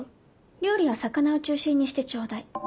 料理は魚を中心にしてちょうだい。